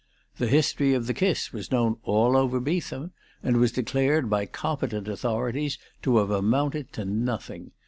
The history of the kiss was known all over Beetham, and was declared by competent authorities to have amounted to nothing.